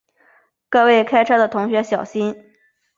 各位开车的同学小心